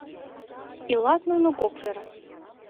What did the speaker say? Илат нуно кок вере.